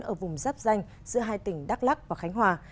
ở vùng giáp danh giữa hai tỉnh đắk lắc và khánh hòa